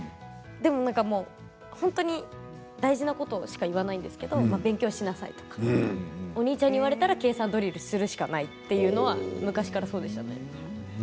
でも、本当に大事なことしか言わないんですけど勉強しなさいとかお兄ちゃんに言われたら計算ドリルをするしかないというのは昔からそうでしたね。